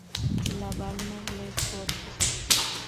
La Balme-les-Grottes